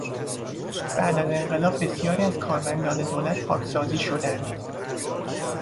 بعد از انقلاب بسیاری از کارمندان دولت پاکسازی شدند.